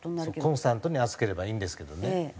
コンスタントに暑ければいいんですけどね。